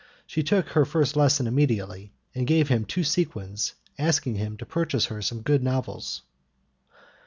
She took her first lesson immediately and gave him two sequins, asking him to purchase her some good novels.